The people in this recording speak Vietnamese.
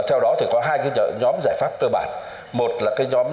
theo đó có hai nhóm giải pháp cơ bản